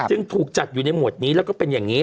จึงถูกจักรอยู่หัวในหมวดนี้และเป็นอย่างนี้